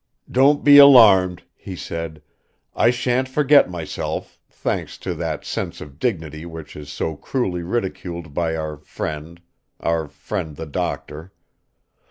"Don't be alarmed," he said, "I shan't forget myself, thanks to that sense of dignity which is so cruelly ridiculed by our friend our friend, the doctor.